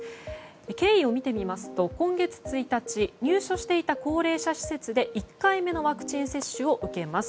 経緯を見てみますと、今月１日入所していた高齢者施設で１回目のワクチン接種を受けます。